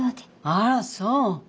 あらそう。